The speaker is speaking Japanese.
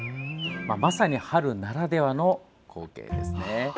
まさに春ならではの光景ですね。